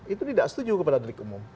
itu tidak setuju kepada delik umum